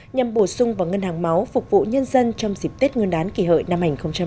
nhằm bổ sung vào ngân hàng máu phục vụ nhân dân trong dịp tết nguyên đán kỷ hợi năm hai nghìn một mươi chín